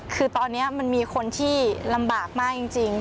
คือตอนนี้มันมีคนที่ลำบากมากจริง